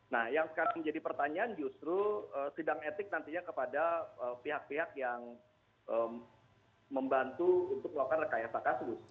nah yang sekarang menjadi pertanyaan justru sidang etik nantinya kepada pihak pihak yang membantu untuk melakukan rekayasa kasus